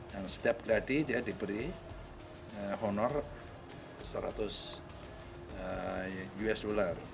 dan setiap gladi dia diberi honor seratus usd